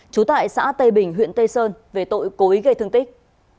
trú tại xã tây bình huyện tây sơn về tội cố ý gây thương tích